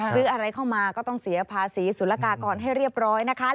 ซื้ออะไรเข้ามาก็ต้องเสียภาษีสุรกากรให้เรียบร้อยนะคะ